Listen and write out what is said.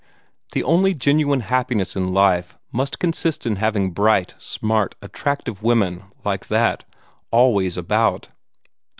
The only genuine happiness in life must consist in having bright, smart, attractive women like that always about.